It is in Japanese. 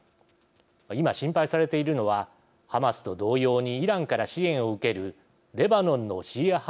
今心配されているのはハマスと同様にイランから支援を受けるレバノンのシーア派